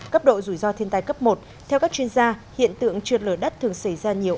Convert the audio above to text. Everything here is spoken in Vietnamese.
cấp độ rủi ro thiên tài cấp một theo các chuyên gia hiện tượng trượt lở đất thường xảy ra nhiều